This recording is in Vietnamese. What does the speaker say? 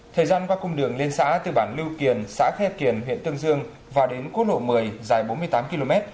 thời gian qua cung đường liên xã từ bản lưu kiền xã khe kiền huyện tương dương và đến quốc lộ một mươi dài bốn mươi tám km